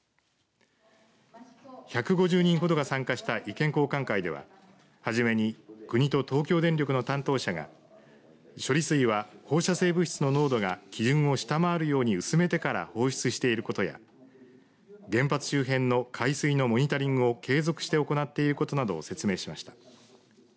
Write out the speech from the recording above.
１５０人ほどが参加した意見交換会では初めに国と東京電力の担当者が処理水は、放射性物質の濃度が基準を下回るように薄めてから放出していることや原発周辺の海水のモニタリングを継続して行っていることなどを説明しました。